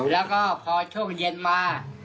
แล้วก็พอช่วงเย็นมา